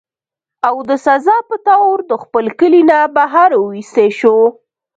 او د سزا پۀ طور د خپل کلي نه بهر اوويستی شو